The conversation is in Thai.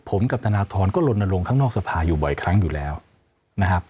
ผมกับธนทรก็ลนลงข้างนอกสภาอยู่บ่อยครั้งอยู่แล้วนะครับ